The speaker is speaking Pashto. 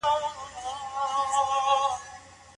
علامه رشاد د افغانستان د علمي خزانې یو ستر ګوهَر وو.